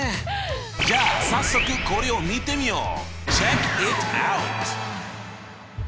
じゃあ早速これを見てみよう。